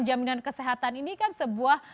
jaminan kesehatan ini kan sebuah